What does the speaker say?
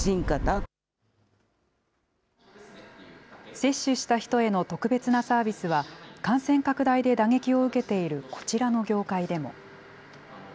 接種した人への特別なサービスは、感染拡大で打撃を受けているこちらの業界でも。